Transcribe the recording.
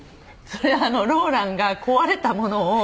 それローランが壊れたものを。